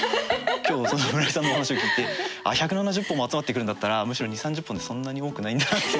今日村井さんのお話を聞いて１７０本も集まってくるんだったらむしろ２０３０本ってそんなに多くないんだなって。